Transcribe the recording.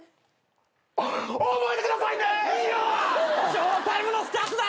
ショータイムのスタートだ。